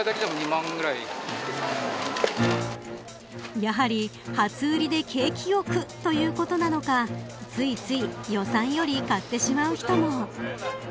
やはり、初売りで景気よくということなのかついつい予算より買ってしまう人も。